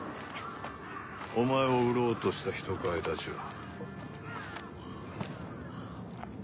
お前を売ろうとした人買いたちは？